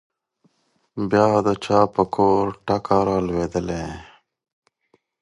بيا د چا په کور ټکه رالوېدلې؟